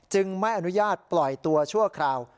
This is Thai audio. ไม่อนุญาตปล่อยตัวชั่วคราว